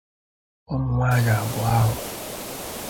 ụmụnwaanyị abụọ ahụ